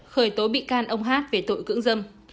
trị xê tố cáo ông hát về tội cưỡng dâm